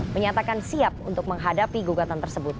menyatakan siap untuk menghadapi gugatan tersebut